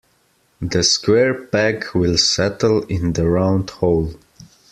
The square peg will settle in the round hole.